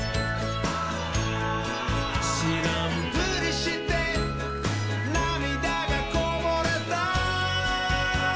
「しらんぷりしてなみだがこぼれた」